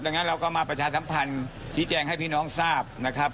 ดังนั้นเราก็มาประชาสัมพันธ์ชี้แจงให้พี่น้องทราบนะครับ